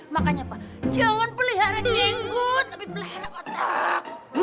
makanya apa jangan pelihara jenggot tapi pelihara otak